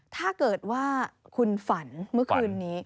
ถ้าเกิดว่าคุณฝันเมื่อคืนนี้